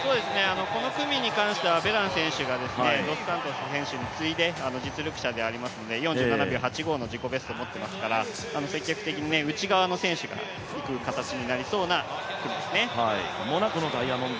この組に関してはベラン選手がドスサントス選手に続いて実力者でありますので、４７秒８５の自己ベストを持っていますから積極的に内側の選手が行く形になりそうな組ですね。